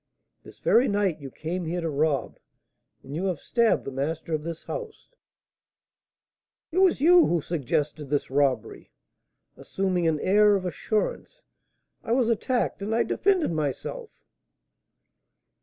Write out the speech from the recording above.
"This very night you came here to rob, and you have stabbed the master of this house " "It was you who suggested this robbery!" assuming an air of assurance. "I was attacked, and I defended myself."